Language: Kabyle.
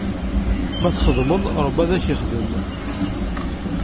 Ma txedmeḍ, Ṛebbi ad ak-ixdem.